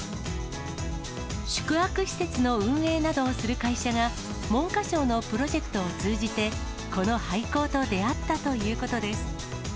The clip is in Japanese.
宿泊施設の運営などをする会社が、文科省のプロジェクトを通じて、この廃校と出会ったということです。